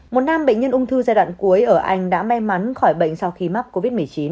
một nam bệnh nhân ung thư giai đoạn cuối ở anh đã may mắn khỏi bệnh sau khi mắc covid một mươi chín